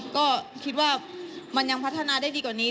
ก็คิดว่ามันยังพัฒนาได้ดีกว่านี้